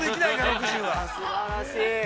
すばらしい。